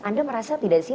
anda merasa tidak sih